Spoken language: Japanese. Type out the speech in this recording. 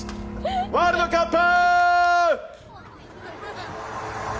ワールドカップ！